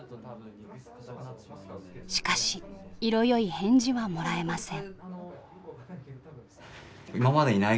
しかし色よい返事はもらえません。